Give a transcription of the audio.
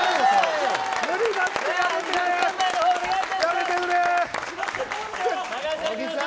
やめてくれ！